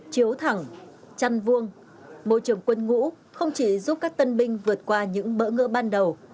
chiếu thẳng chăn vuông môi trường quân ngũ không chỉ giúp các tân binh vượt qua những bỡ ngỡ ban đầu